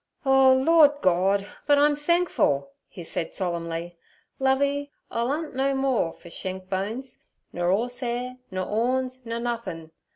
'Oh, Lord Gord! but I'm thenkful' he said solemnly. 'Lovey, I'll 'unt no mo ore fer shenk bones, nur 'orse'air, nur 'orns, nur nothin'.